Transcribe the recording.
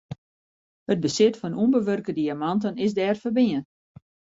It besit fan ûnbewurke diamanten is dêr ferbean.